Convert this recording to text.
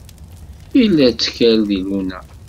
Yella ttkal di Luna.